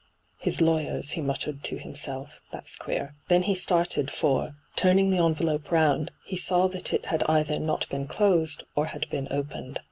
' His lawyers,' he muttered to himself ' That's queer.' Then he started, for, turning the envelope round, he saw that it had either not been closed or had been opened.